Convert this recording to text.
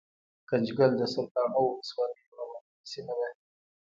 ګنجګل دسرکاڼو ولسوالۍ يو غرنۍ سيمه ده